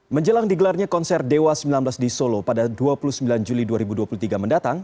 menjelang digelarnya konser dewa sembilan belas di solo pada dua puluh sembilan juli dua ribu dua puluh tiga mendatang